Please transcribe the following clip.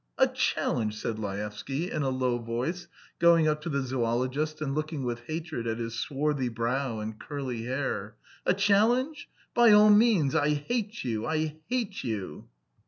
"A challenge," said Laevsky, in a low voice, going up to the zoologist and looking with hatred at his swarthy brow and curly hair. "A challenge? By all means! I hate you! I hate you!"